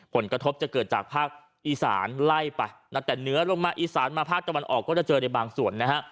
ผลกระทบจะเกิดจากภาคอีสานไล่ไปนะแต่เหนือลงมาอีสานมาภาคตะวันออกก็จะเจอในบางส่วนนะฮะ